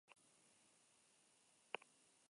Esprinterrak ere izango dira lasterketan.